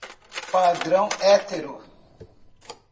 Padrão hétero